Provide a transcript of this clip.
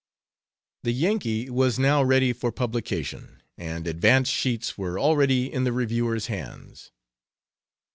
The Yankee was now ready for publication, and advance sheets were already in the reviewers' hands.